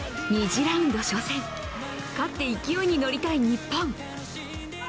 ２次ラウンド初戦、勝って勢いに乗りたい日本。